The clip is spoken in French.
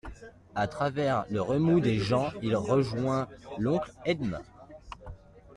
A travers le remous des gens, il rejoignit l'oncle Edme.